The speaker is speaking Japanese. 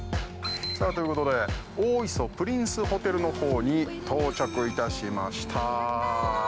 ◆ということで、大磯プリンスホテルのほうに到着いたしました。